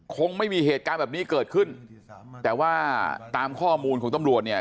คงไม่มีเหตุการณ์แบบนี้เกิดขึ้นแต่ว่าตามข้อมูลของตำรวจเนี่ย